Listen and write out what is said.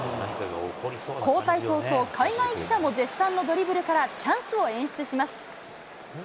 交代早々、海外記者も絶賛のドリブルからチャンスを演出します。